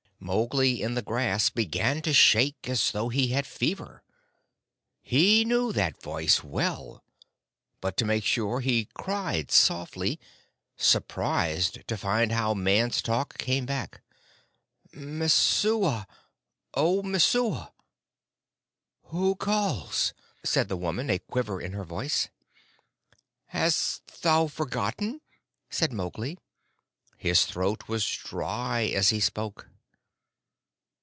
Mowgli in the grass began to shake as though he had fever. He knew that voice well, but to make sure he cried softly, surprised to find how man's talk came back, "Messua! O Messua!" "Who calls?" said the woman, a quiver in her voice. "Hast thou forgotten?" said Mowgli. His throat was dry as he spoke.